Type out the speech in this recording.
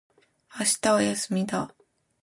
明日は休みだ。